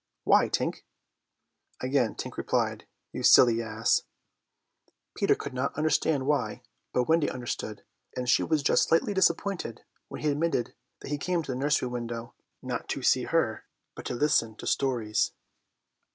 "Why, Tink?" Again Tink replied, "You silly ass." Peter could not understand why, but Wendy understood, and she was just slightly disappointed when he admitted that he came to the nursery window not to see her but to listen to stories.